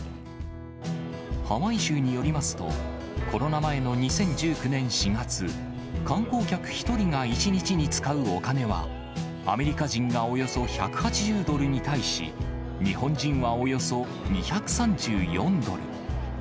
ハワイ州によりますと、コロナ前の２０１９年４月、観光客１人が１日に使うお金は、アメリカ人がおよそ１８０ドルに対し、日本人はおよそ２３４ドル。